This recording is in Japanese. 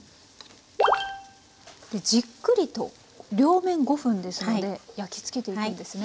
じっくりと両面５分ですので焼き付けていくんですね。